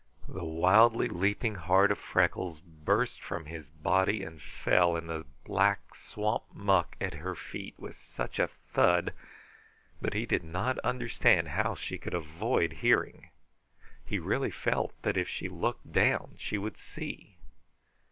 The wildly leaping heart of Freckles burst from his body and fell in the black swamp muck at her feet with such a thud that he did not understand how she could avoid hearing. He really felt that if she looked down she would see.